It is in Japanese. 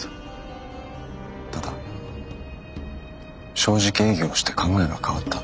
ただ正直営業をして考えが変わった。